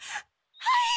はい！